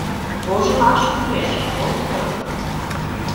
Вожылаш кӱлеш, доктор!